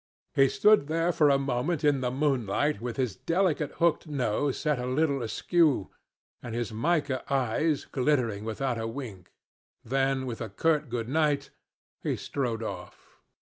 He stood there for a moment in the moonlight with his delicate hooked nose set a little askew, and his mica eyes glittering without a wink, then, with a curt Good night, he strode off.